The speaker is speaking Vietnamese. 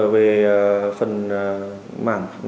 về phần mạng